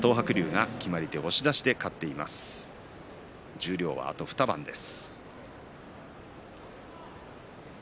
十両はあと２番です。